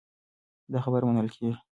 دا خبره منل کېږي.